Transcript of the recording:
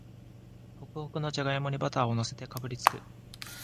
ホクホクのじゃがいもにバターをのせてかぶりつく